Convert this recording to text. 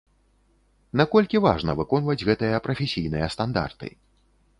Наколькі важна выконваць гэтыя прафесійныя стандарты?